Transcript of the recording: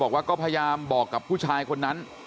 ก็พยายามบอกกับผู้ชายคนนั้น